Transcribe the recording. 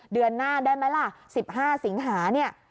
เดือนหน้าได้ไหมล่ะ๑๕สิงหาเนี่ย